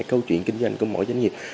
câu chuyện kinh doanh của mỗi doanh nghiệp